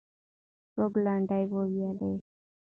څوک لنډۍ وویلې؟